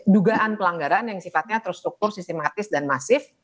dugaan pelanggaran yang sifatnya terstruktur sistematis dan masif